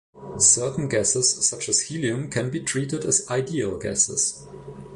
Certain gases such as Helium can be treated as ideal gases.